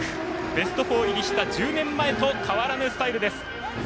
ベスト４入りした１０年前と変わらぬスタイルです。